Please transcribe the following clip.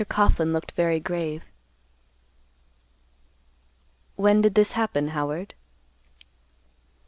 Coughlan looked very grave. "When did this happen, Howard?"